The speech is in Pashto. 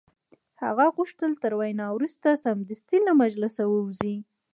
هغه غوښتل تر وینا وروسته سمدستي له مجلسه ووځي